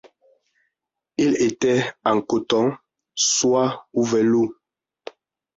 Il était en coton, soie ou velours.